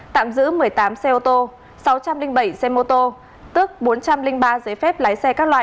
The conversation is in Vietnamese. tạm giữ một mươi tám xe ô tô sáu trăm linh bảy xe mô tô tước bốn trăm linh ba giấy phép lái xe các loại